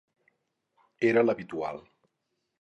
Era l'habitual.